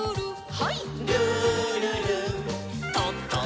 はい。